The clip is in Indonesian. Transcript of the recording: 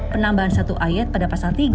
penambahan satu ayat pada pasal tiga